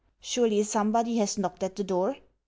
Surely somebody has knocked at the door?...